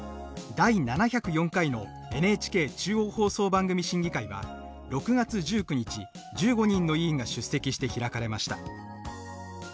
第７０４回のＮＨＫ中央放送番組審議会は６月１９日１５人の委員が出席して開かれました。